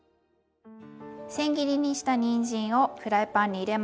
せん切りにしたにんじんをフライパンに入れます。